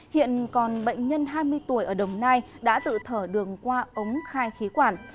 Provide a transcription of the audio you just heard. hiện còn bệnh nhân hai mươi tuổi ở đồng nai đã tự thở đường qua ống khai khí quản